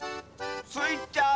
スイちゃん